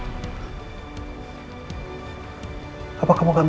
iya akhirnya kamu belanja chak